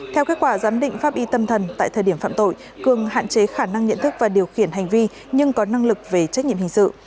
theo kết quả giám định pháp y tâm thần tại thời điểm phạm tội cường hạn chế khả năng nhận thức và điều khiển hành vi nhưng có năng lực về trách nhiệm hình sự